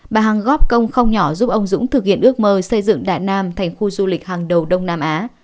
bà hằng góp công không nhỏ giúp ông dũng thực hiện ước mơ xây dựng đại nam thành khu du lịch hàng đầu